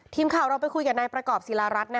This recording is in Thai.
ทีมข่าวเราไปคุยกับนายประกอบศิลารัฐ